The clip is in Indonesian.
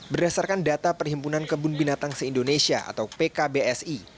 berdasarkan data perhimpunan kebun binatang se indonesia atau pkbsi